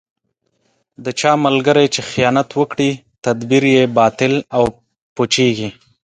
د چا ملګری چې خیانت وکړي، تدبیر یې باطل او پوچېـږي.